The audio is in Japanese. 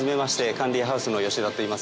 カンディハウスの吉田といいます。